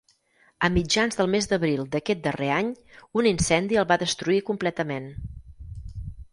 A mitjans del mes d'abril d'aquest darrer any, un incendi el va destruir completament.